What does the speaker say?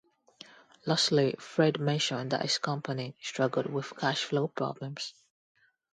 Lastly, Fred mentioned that his company struggled with cash flow problems.